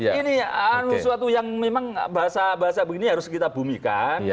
jadi ini suatu yang memang bahasa bahasa begini harus kita bumikan